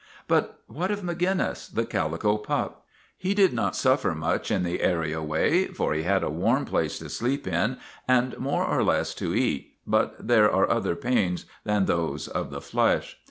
But what of Maginnis, the calico pup? He did MAGINNIS 67 not suffer much in the area way, for he had a warm place to sleep in and more or less to eat, but there are other pains than those of the flesh.